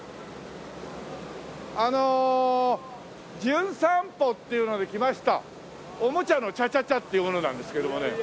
あの『じゅん散歩』っていうので来ました「おもちゃのチャチャチャ」っていう者なんですけれどもね。